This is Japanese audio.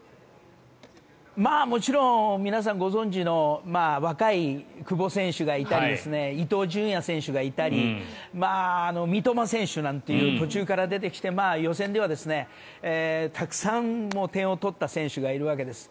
もちろん皆さんご存じの若い久保選手がいたり伊東純也選手がいたり三笘選手なんていう途中から出てきて、予選ではたくさん点を取った選手がいるわけです。